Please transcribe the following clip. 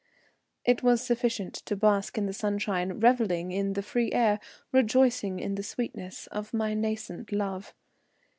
It was sufficient to bask in the sunshine, revelling in the free air, rejoicing in the sweetness of my nascent love.